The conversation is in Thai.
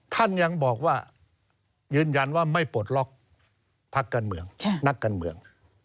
ท่านยังบอกว่ายืนยันว่าไม่ปลดล็อกพักการเมืองนักการเมือง